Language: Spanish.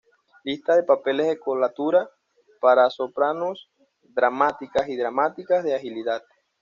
Lista de papeles de coloratura para sopranos dramáticas y dramáticas de agilidad.